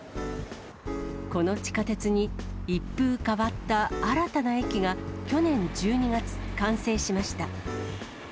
この地下鉄に、一風変わった新たな駅が去年１２月、完成しました。